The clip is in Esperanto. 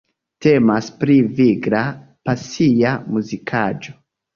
Temas pri vigla, pasia muzikaĵo.